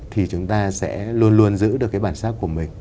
thì chúng ta sẽ luôn luôn giữ được cái bản sắc của mình